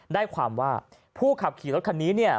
ได้ความว่าผู้ขับขี่รถคันนี้เนี่ย